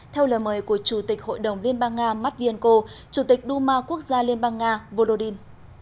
theo lời mời của chủ tịch hội đồng liên bang nga matt vienco chủ tịch duma quốc gia liên bang nga volodin